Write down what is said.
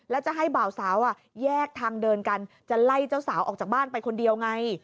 แล้วจะให้บ่าวสาวแยกทางเดินกันจะไล่เจ้าสาวออกจากบ้านไปคนเดียวไง